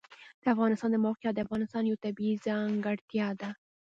د افغانستان د موقعیت د افغانستان یوه طبیعي ځانګړتیا ده.